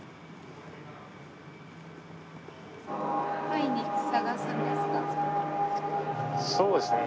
毎日探すんですか？